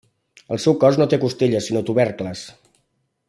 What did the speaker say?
El seu cos no té costelles sinó tubercles.